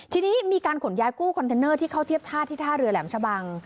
ทีนี้มีการขนย้ายกู้คอนเทนเนอร์ที่เข้าเทียบท่าที่ท่าเรือแหลมชะบัง